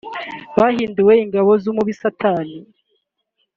bahinduhwe ingabo z’umubi satani